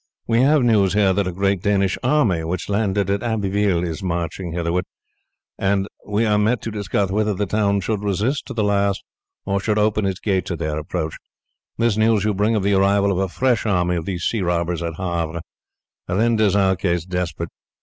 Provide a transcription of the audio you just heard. We have news here that a great Danish army which landed at Abbeville is marching hitherward, and we are met to discuss whether the town should resist to the last or should open its gates at their approach. This news you bring of the arrival of a fresh army of these sea robbers at Havre renders our case desperate.